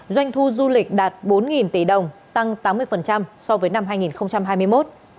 doanh thu du lịch đạt bốn tỷ đồng tăng tám mươi so với năm hai nghìn hai mươi một